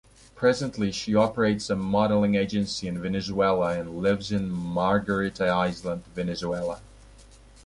Presently, she operates a modeling agency in Venezuela and lives in Margarita Island, Venezuela.